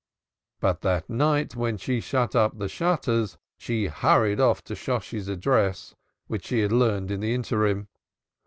But that night when she shut up the shutters, she hurried off to Shosshi's address, which she had learned in the interim.